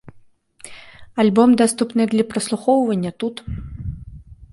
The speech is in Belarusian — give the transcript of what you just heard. Альбом даступны для праслухоўвання тут.